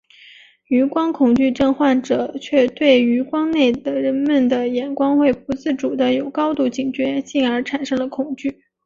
余光恐惧症患者却对余光内的人们的眼光会不自主的有高度警觉进而产生了恐惧。